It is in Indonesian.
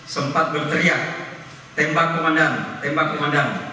sempat berteriak tembak komandan tembak komandan